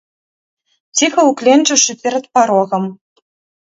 Ціха ўкленчыўшы перад парогам.